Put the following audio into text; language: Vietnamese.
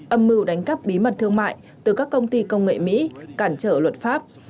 âm mưu đánh cắp bí mật thương mại từ các công ty công nghệ mỹ cản trở luật pháp